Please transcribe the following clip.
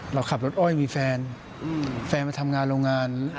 เราขับรถอ้อยมีแฟนแฟนมาทำงานโรงงาน